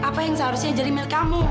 apa yang seharusnya jadi milk kamu